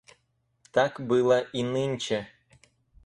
Так было и нынче.